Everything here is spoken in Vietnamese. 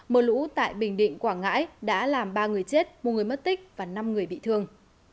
mưa lũ tại bình định quảng ngãi đã làm ba người chết một người mất tích và năm người bị thương